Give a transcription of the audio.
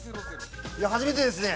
初めてですね。